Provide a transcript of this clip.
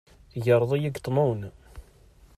Tegreḍ-iyi deg ṭnun.